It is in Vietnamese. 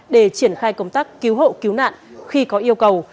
để triển khai công tác cứu hộ cứu nạn khi có yêu cầu